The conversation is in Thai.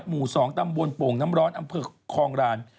หมูสองตำวนโป่งน้ำร้อนอำเผิกคลองราน